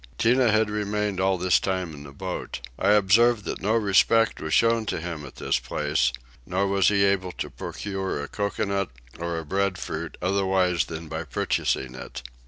Tinah had remained all this time in the boat. I observed that no respect was shown to him at this place, nor was he able to procure a coconut or a breadfruit otherwise than by purchasing it.